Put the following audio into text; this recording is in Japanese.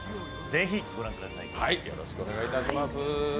ぜひ御覧ください。